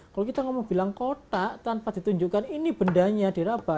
kalau kita ngomong bilang kotak tanpa ditunjukkan ini bendanya diraba